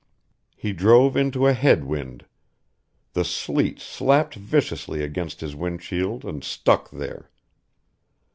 He drove into a head wind. The sleet slapped viciously against his windshield and stuck there.